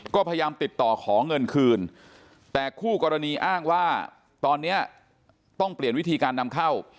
ก็พยายามติดต่อขอเงินคืนแต่คู่กรณีอ้างว่าตอนนี้ต้องเปลี่ยนวิธีการนำเข้า